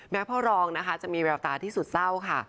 พ่อรองนะคะจะมีแววตาที่สุดเศร้าค่ะ